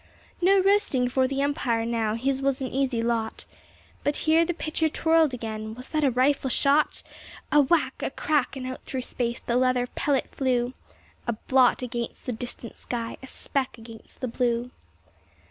No roasting for the umpire now his was an easy lot. But here the pitcher twirled again was that a rifle shot? A whack; a crack; and out through space the leather pellet flew A blot against the distant sky, a speck against the blue.